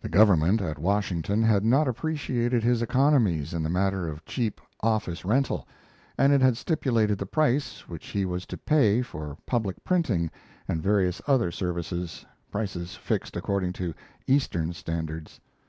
The government at Washington had not appreciated his economies in the matter of cheap office rental, and it had stipulated the price which he was to pay for public printing and various other services prices fixed according to Eastern standards.